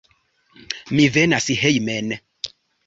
Mi venas hejmen.